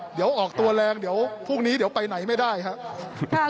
เดี๋ยวออกตัวแรงเดี๋ยวพรุ่งนี้เดี๋ยวไปไหนไม่ได้ครับ